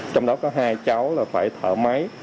trong đó có hai cháu là phải thở máy